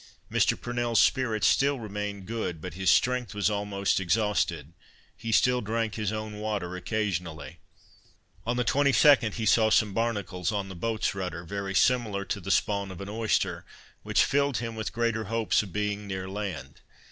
Mr. Purnell's spirits still remained good, but his strength was almost exhausted; he still drank his own water occasionally. On the 22d he saw some barnacles on the boat's rudder, very similar to the spawn of an oyster, which filled him with greater hopes of being near land.